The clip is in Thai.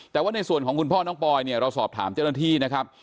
แต่ว่าในส่วนของคุณพ่อน้องปอยเนี่ยเราสอบถามเจ้าหน้าที่นะครับ